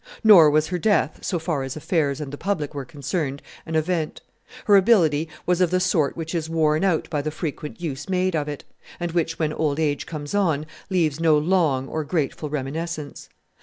Nor was her death, so far as affairs and the public were concerned, an event: her ability was of the sort which is worn out by the frequent use made of it, and which, when old age comes on, leaves no long or grateful reminiscence.